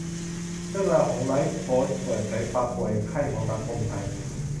เรื่องราวของไลฟ์โค้ชเปิดเผยความป่วยไข้ของสังคมไทย